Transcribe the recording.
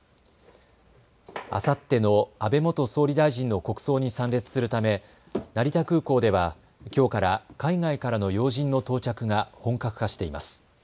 あさっての安倍元総理大臣の国葬に参列するため成田空港ではきょうから海外からの要人の到着が本格化しています。